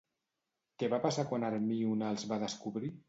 Què va passar quan Hermíone els va descobrir?